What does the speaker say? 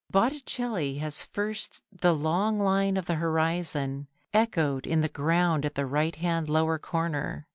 Botticelli has first the long line of the horizon echoed in the ground at the right hand lower corner.